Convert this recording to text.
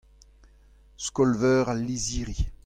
Skol-veur al lizhiri.